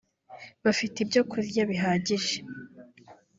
bafite ibyo kurya bihagije